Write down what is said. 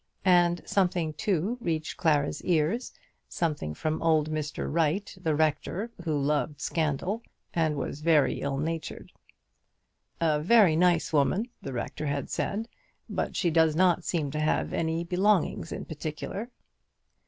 And something, too, reached Clara's ears something from old Mr. Wright, the rector, who loved scandal, and was very ill natured. "A very nice woman," the rector had said; "but she does not seem to have any belongings in particular."